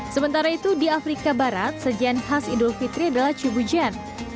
sementara itu di afrika barat sajian khas idul fitri adalah cubi jan